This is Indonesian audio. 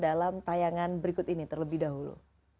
dalam tayangan berikut ini terlebih dahulu